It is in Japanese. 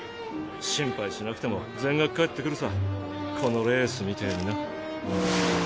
心配しなくても全額返ってくるさこのレースみてぇにな。